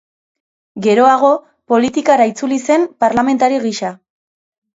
Geroago, Politikara itzuli zen parlamentari gisa.